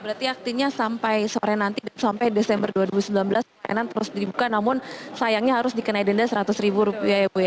berarti aktinya sampai sore nanti sampai desember dua ribu sembilan belas perlainan terus dibuka namun sayangnya harus dikenai denda rp seratus